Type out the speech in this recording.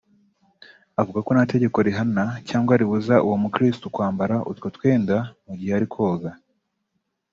Avuga ko nta tegeko rihana cyangwa ribuza uwo mukirisitu kwambara utwo twenda mu gihe ari koga